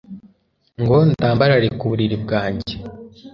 ngo ndambarare ku buriri bwanjye